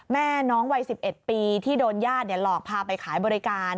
แม่น้องวัย๑๑ปีที่โดนญาติหลอกพาไปขายบริการ